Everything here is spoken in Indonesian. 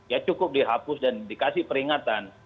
ya cukup dihapus dan dikasih peringatan